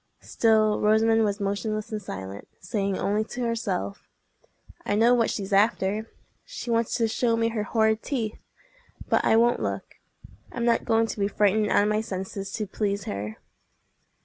Still Rosamond was motionless and silent, saying only to herself, "I know what she's after! She wants to show me her horrid teeth. But I won't look. I'm not going to be frightened out of my senses to please her."